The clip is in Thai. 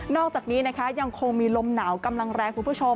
อกจากนี้นะคะยังคงมีลมหนาวกำลังแรงคุณผู้ชม